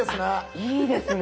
いいですね。